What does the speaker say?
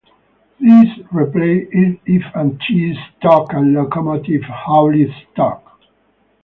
These replaced F and T Stock and locomotive-hauled stock.